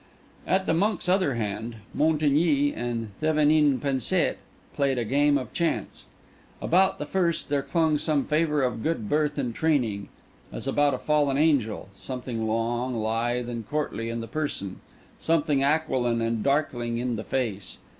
At the monk's other hand, Montigny and Thevenin Pensete played a game of chance. About the first there clung some flavour of good birth and training, as about a fallen angel; something long, lithe, and courtly in the person; something aquiline and darkling in the face.